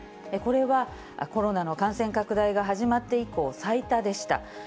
これはコロナの感染拡大が始まって以降、最多でした。